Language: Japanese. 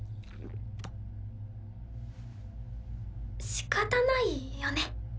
しかたないよね。